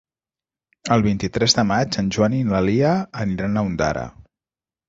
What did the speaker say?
El vint-i-tres de maig en Joan i na Lia aniran a Ondara.